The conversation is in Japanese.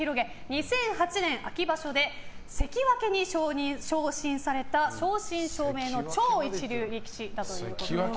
２００８年、秋場所で関脇に昇進された正真正銘の超一流力士だということです。